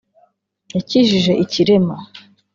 yakijije ikirema